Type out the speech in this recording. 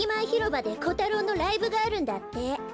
ひろばでコタロウのライブがあるんだって。